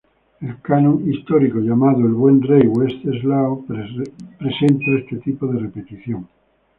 El canon histórico llamado El buen rey Wenceslao presenta este tipo de repetición.